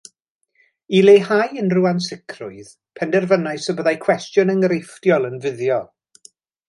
I leihau unrhyw ansicrwydd, penderfynais y byddai cwestiwn enghreifftiol yn fuddiol